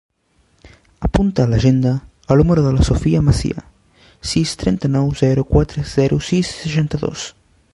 Apunta a l'agenda el número de la Sofía Macia: sis, trenta-nou, zero, quatre, zero, sis, seixanta-dos.